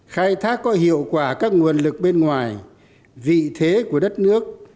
khai thác có hiệu quả các nguồn lực bên ngoài vị thế của đất nước